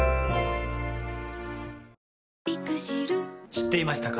知っていましたか？